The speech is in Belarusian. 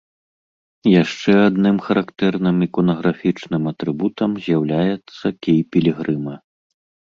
Яшчэ адным характэрным іконаграфічным атрыбутам з'яўляецца кій пілігрыма.